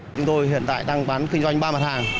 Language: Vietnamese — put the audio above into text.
chúng tôi hiện tại đang bán kinh doanh ba mặt hàng